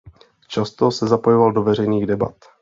Často se zapojoval do veřejných debat.